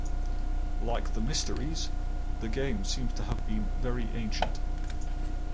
Like the Mysteries, the games seem to have been very ancient.